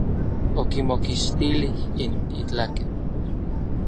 Okimokixtilij n itlaken.